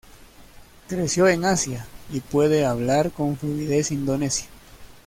Creció en Asia y puede hablar con fluidez indonesio.